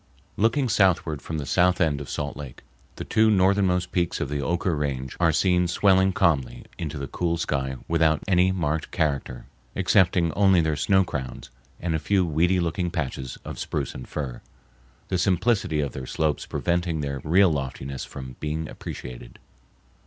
Looking southward from the south end of Salt Lake, the two northmost peaks of the Oquirrh Range are seen swelling calmly into the cool sky without any marked character, excepting only their snow crowns, and a few weedy looking patches of spruce and fir, the simplicity of their slopes preventing their real loftiness from being appreciated.